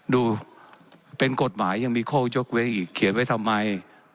ดูเป็นกฎหมายยังมีข้อยกเว้นอีกเขียนไว้ทำไม